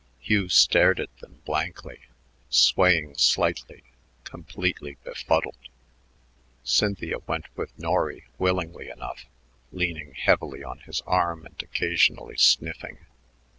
Hugh stared at them blankly, swaying slightly, completely befuddled. Cynthia went with Norry willingly enough, leaning heavily on his arm and occasionally sniffing.